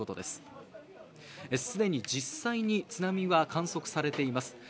すでに実際に津波は観測されています。